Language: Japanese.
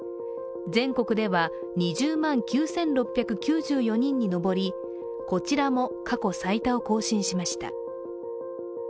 全国では２０万９６９４人に上り、こちらも過去最多を更新しました。